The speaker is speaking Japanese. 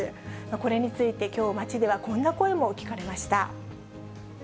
これについて、きょう、街ではこんな声も聞かれました。